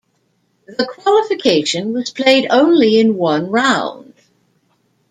The qualification was played only in one round.